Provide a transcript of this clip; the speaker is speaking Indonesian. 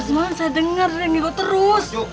semalam saya dengar dengerin gue terus